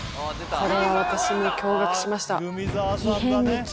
これは私も驚愕しました。